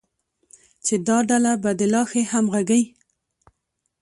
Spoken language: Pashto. چې دا ډله به د لا ښې همغږۍ،